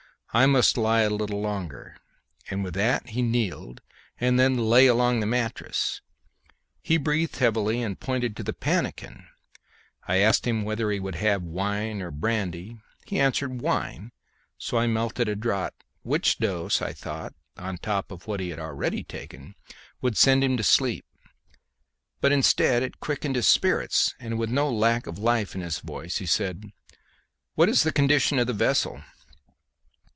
"I must lie a little longer," and with that he kneeled and then lay along the mattress. He breathed heavily and pointed to the pannikin. I asked him whether he would have wine or brandy; he answered, "Wine," so I melted a draught, which dose, I thought, on top of what he had already taken, would send him to sleep; but instead it quickened his spirits, and with no lack of life in his voice he said, "What is the condition of the vessel?"